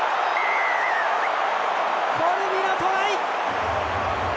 コルビのトライ！